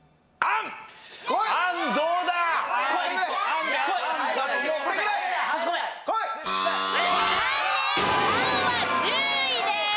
「安」は１０位です。